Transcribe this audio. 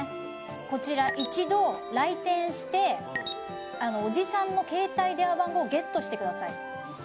こちら一度来店しておじさんの携帯電話番号をゲットしてください。